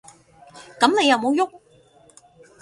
噉你有無郁？